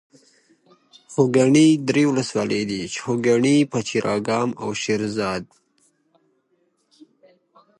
افغانستان د یاقوت له پلوه متنوع دی.